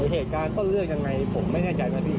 เหตุการณ์ก็เลือกยังไงผมไม่แน่ใจมากี่